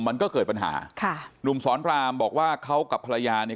มันก็เกิดปัญหาค่ะหนุ่มสอนรามบอกว่าเขากับภรรยาเนี่ย